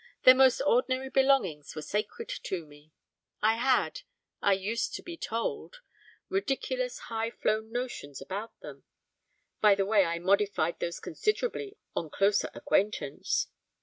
Their most ordinary belongings were sacred to me. I had, I used to be told, ridiculous high flown notions about them (by the way I modified those considerably on closer acquaintance).